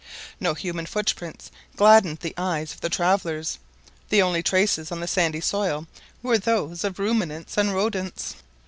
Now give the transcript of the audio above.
No human footprints gladdened the eyes of the travellers, the only traces on the sandy soil were those of ruminants and rodents.